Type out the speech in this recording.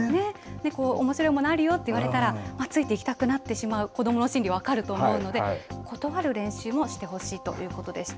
おもしろいものあるよと言われたら付いていきたくなってしまう子どもの心理分かると思うので断る練習もしてほしいということでした。